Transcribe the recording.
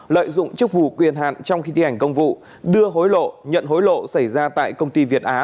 lợi dụng chức vụ quyền hạn trong khi thi hành công vụ đưa hối lộ nhận hối lộ xảy ra tại công ty việt á